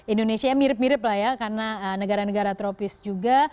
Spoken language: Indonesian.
indonesia mirip mirip lah ya karena negara negara tropis juga